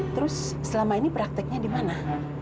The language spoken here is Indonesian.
terus selama ini prakteknya di mana